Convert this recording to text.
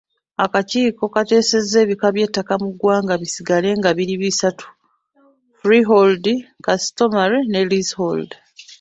Akakiiko kaateesezza ebika by’ettaka mu ggwanga bisigale nga biri bisatu; Freehold, customary ne Leasehold.